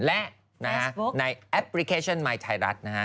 และในแอปพลิเคชันไมค์ไทยรัฐนะฮะ